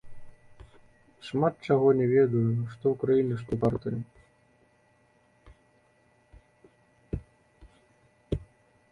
Шмат чаго не ведаю, што ў краіне, што ў партыі.